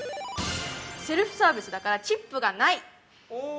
◆セルフサービスだから、チップがない。